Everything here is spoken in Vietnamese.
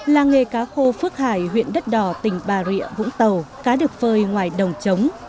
làng nghề cá khô phước hải huyện đất đỏ tỉnh bà rịa vũng tàu cá được phơi ngoài đồng trống